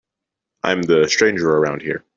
I'm the stranger around here.